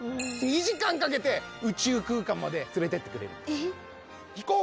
２時間かけて宇宙空間まで連れて行ってくれるんです。